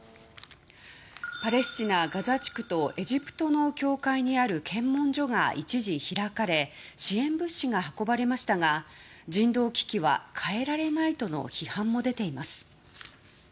パレスチナ・ガザ地区とエジプトの境界にある検問所が一時開かれ支援物資が運ばれましたが人道危機は変えられないとの批判も出ています。